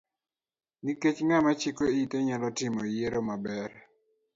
Nikech ng'ama chiko ite nyalo timo yiero maber.